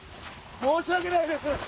申し訳ないです。